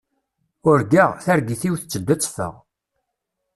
Urgaɣ, targit-iw tetteddu ad teffeɣ.